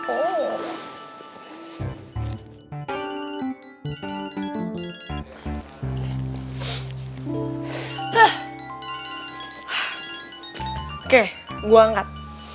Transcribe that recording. oke gua angkat